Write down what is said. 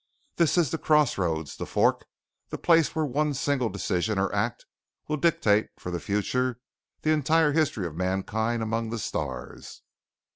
This is the crossroads, the fork, the place where one single decision or act will dictate for the future the entire history of mankind among the stars.